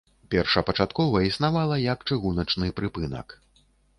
Першапачаткова існавала як чыгуначны прыпынак.